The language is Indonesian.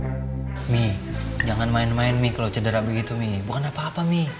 mami jangan main main mami kalau cedera begitu mami bukan apa apa mami